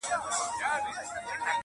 چي مي په کلیو کي بلا لنګه سي،